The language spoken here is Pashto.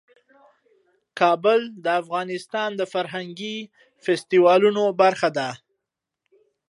کابل د افغانستان د فرهنګي فستیوالونو برخه ده.